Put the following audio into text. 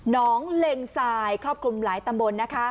น้องเล็งทรายครอบคลุมหลายตำบลนะคะ